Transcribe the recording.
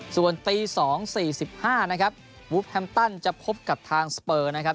ส่วนตีสองสี่สิบห้านะครับวูฟแฮมตันจะพบกับทางสเปอร์นะครับ